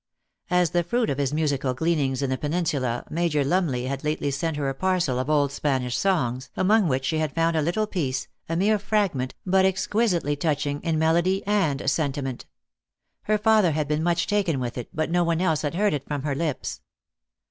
As the fruit of his musical gleanings in the penin sula, Major Lumley had lately sent her a parcel of old Spanish songs, among which she had found a little piece, a mere fragment, but exquisitely touching in melody and sentiment. Her father had been much taken with it, but no one else had heard it from her lips.